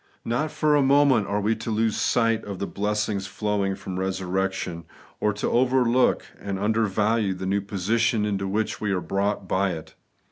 Not for a moment are we to lose sight of the blessings flowing from resurrection, or to overlook and undervalue the new position into which we ai e brought by it.